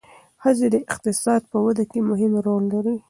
ښځې د اقتصاد په وده کې مهم رول لري.